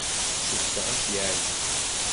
Cukkteɣ ad k-yeɛjeb.